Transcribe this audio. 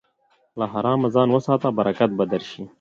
له حرامه ځان وساته، برکت به درشي.